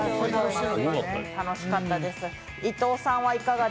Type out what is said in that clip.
楽しかったです。